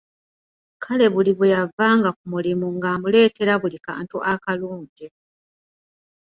Kale buli bweyavanga ku mulimu nga amuleetera buli kantu akalungi.